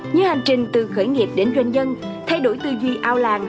như hành trình từ khởi nghiệp đến doanh nhân thay đổi tư duy ao làng